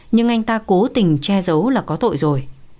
nhưng anh ta cố tình che giấu là có tội rồi